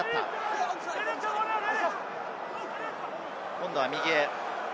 今度は右へ。